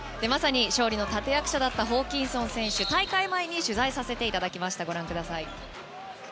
勝利の立役者だったホーキンソン選手に大会前に取材させていただきました。